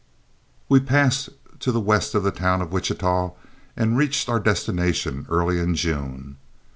We passed to the west of the town of Wichita and reached our destination early in June.